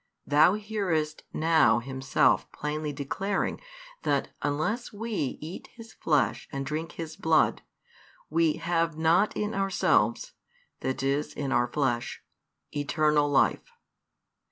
Thou nearest now Himself plainly declaring that, unless we "eat His Flesh, and drink His Blood," we "have not in ourselves," that is, in our flesh, "Eternal Life."